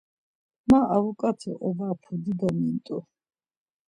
Ma abuǩat̆i ovapu dido mint̆u.